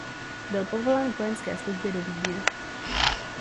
Byl povolán k vojenské službě do Vídně.